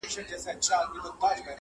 له باده سره الوزي پیمان په باور نه دی -